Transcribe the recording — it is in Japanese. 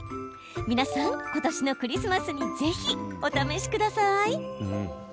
皆さん、今年のクリスマスにぜひお試しください。